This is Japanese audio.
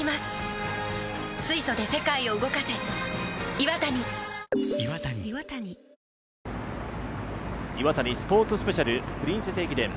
Ｉｗａｔａｎｉスポーツスペシャル「プリンセス駅伝」。